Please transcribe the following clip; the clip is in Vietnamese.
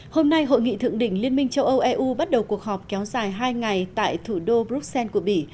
hôm nay hội nghị thượng đỉnh liên minh châu âu eu bắt đầu cuộc họp kéo dài hai ngày tại thủ đô bruxelles của bỉ